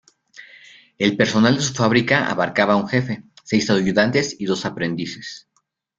El personal de su fabrica abarcaba un jefe, seis ayudantes y dos aprendices.